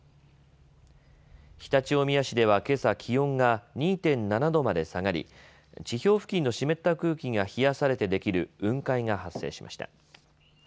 常陸大宮市ではけさ、気温が２．７度まで下がり、地表付近の湿った空気が冷やされてできる雲海が発生しました。